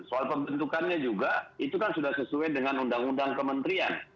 soal pembentukannya juga itu kan sudah sesuai dengan undang undang kementerian